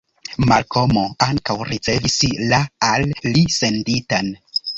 Malkomo ankaŭ ricevis la al li senditan.